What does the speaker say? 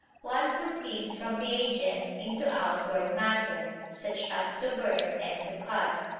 One proceeds from the agent into outward matter, such as "to burn" and "to cut."